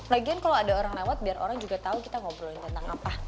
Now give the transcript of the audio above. lagian kalau ada orang lewat biar orang juga tahu kita ngobrolin tentang apa